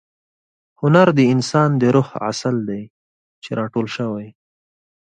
هنر د انسان د روح عسل دی چې را ټول شوی.